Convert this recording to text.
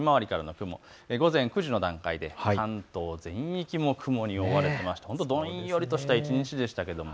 午前９時の段階で関東全域、雲に覆われていまして、どんよりとした一日でした。